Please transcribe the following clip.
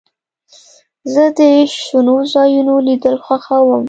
زه د شنو ځایونو لیدل خوښوم.